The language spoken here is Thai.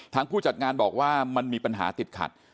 ผู้จัดงานบอกว่ามันมีปัญหาติดขัด